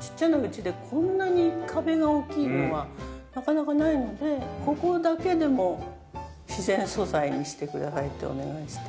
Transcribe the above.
ちっちゃな家でこんなに壁が大きいのはなかなかないのでここだけでも自然素材にしてくださいってお願いして。